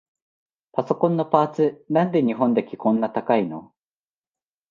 パソコンのパーツ、なんで日本だけこんな高いの？